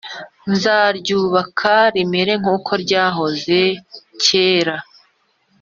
nzaryubaka rimere nk’uko ryahoze kera